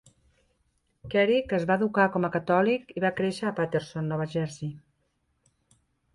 Kerik es va educat com a catòlic i va créixer a Paterson, Nova Jersey.